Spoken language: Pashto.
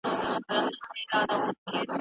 ډاکټر ټاس د ماشومانو د مسمومیت راپور ورکړ.